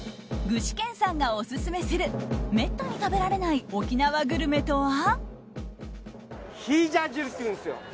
具志堅さんがオススメするめったに食べられない沖縄グルメとは。